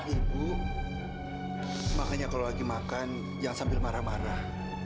ibu makanya kalau lagi makan jangan sambil marah marah